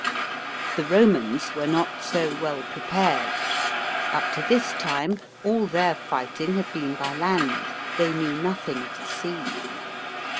The Romans were not so well prepared. Up to this time all their fighting had been by land, they knew nothing of the sea.